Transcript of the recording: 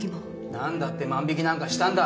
なんだって万引きなんかしたんだ！？